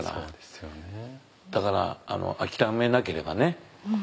だからあきらめなければね